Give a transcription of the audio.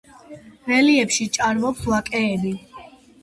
რელიეფში სჭარბობს ვაკეები.